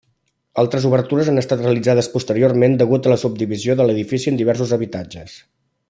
Altres obertures han estat realitzades posteriorment degut a la subdivisió de l'edifici en diversos habitatges.